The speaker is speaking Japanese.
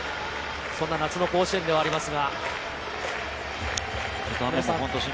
そんな夏の甲子園ではありますが。